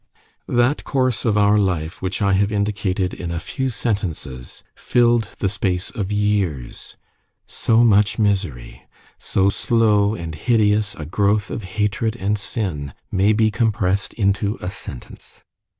That course of our life which I have indicated in a few sentences filled the space of years. So much misery so slow and hideous a growth of hatred and sin, may be compressed into a sentence!